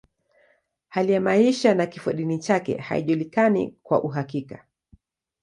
Hali ya maisha na kifodini chake haijulikani kwa uhakika.